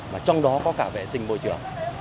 mà trong đó có cả vệ sinh bộ trưởng